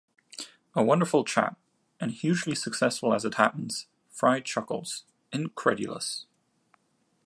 A wonderful chap and hugely successful as it happens, Fry chuckles, incredulous.